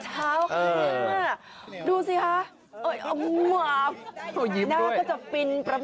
เห็นเม็ดไหมครับ